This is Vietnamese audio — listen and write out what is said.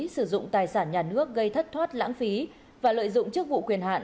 sử dụng tài sản nhà nước gây thất thoát lãng phí và lợi dụng chức vụ quyền hạn